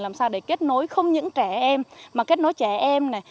làm sao để kết nối không những trẻ em mà kết nối trẻ em này